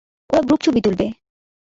ওরা গ্রুপ ছবি তুলবে।